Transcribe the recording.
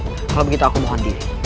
kalau begitu aku mohon di